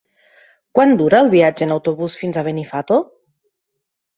Quant dura el viatge en autobús fins a Benifato?